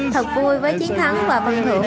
thật vui với chiến thắng và phần thưởng